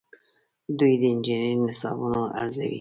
دوی د انجنیری نصابونه ارزوي.